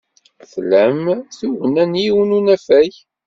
Tlam tugna n yiwen n unafag.